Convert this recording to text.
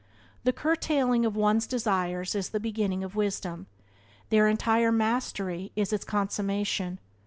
The curtailing of one's desires is the beginning of wisdom; their entire mastery its consummation.